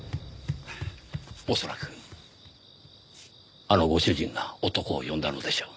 恐らくあのご主人が男を呼んだのでしょう。